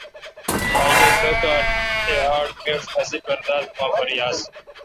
اج داترہ تے آڑ کال میݭ اسے پرداداُماپر یاس۔